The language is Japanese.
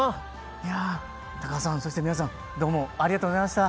いや鷹さんそして皆さんどうもありがとうございました。